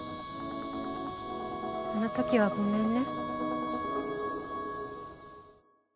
あの時はごめんね。